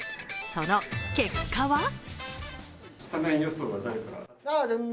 その結果は？